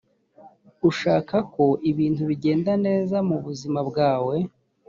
ushaka ko ibintu bigenda neza mu buzima bwawe